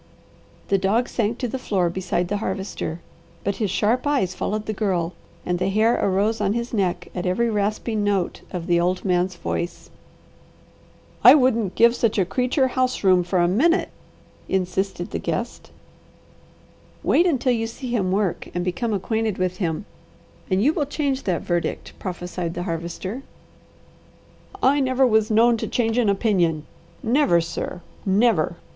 The dog sank to the floor beside the Harvester, but his sharp eyes followed the Girl, and the hair arose on his neck at every rasping note of the old man's voice. "I wouldn't give such a creature house room for a minute," insisted the guest. "Wait until you see him work and become acquainted with him, and you will change that verdict," prophesied the Harvester. "I never was known to change an opinion. Never, sir! Never!"